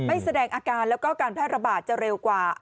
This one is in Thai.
แสดงอาการแล้วก็การแพร่ระบาดจะเร็วกว่า